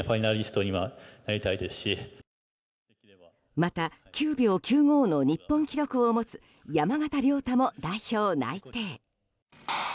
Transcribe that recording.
また９秒９５の日本記録を持つ山縣亮太も代表内定。